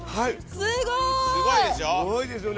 すごいですよね。